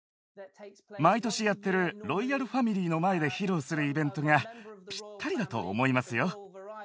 毎年やってるロイヤルファミリーの前で披露するイベントが、ぴったりだと思いますよ。